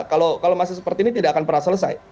kalau masih seperti ini tidak akan pernah selesai